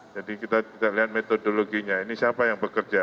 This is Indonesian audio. jadi kita lihat metodologinya ini siapa yang bekerja